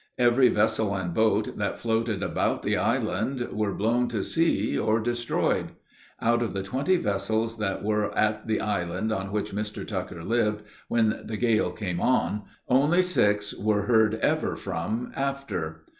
Every vessel and boat, that floated about the island, were blown to sea or destroyed. Out of the twenty vessels that were at the island on which Mr. Tucker lived, when the gale came on, only six were heard ever from after.